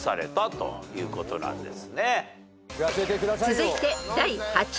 ［続いて第８問］